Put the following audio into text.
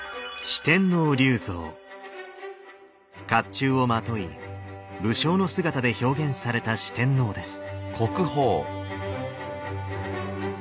甲冑をまとい武将の姿で表現された四天王です。